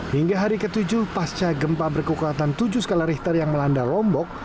hingga hari ke tujuh pasca gempa berkekuatan tujuh skala richter yang melanda lombok